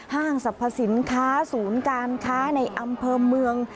ห้างสรรพสินค้าศูนย์การค้าในอำเภอเมือง